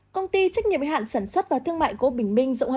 công ty trách nhiệm hạn sản xuất và thương mại của bình minh